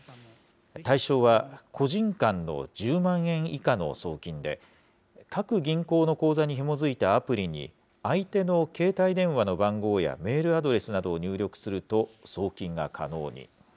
対象は個人間の１０万円以下の送金で、各銀行の口座にひもづいたアプリに相手の携帯電話の番号やメールアドレスなどを入力すると、送金が可能に。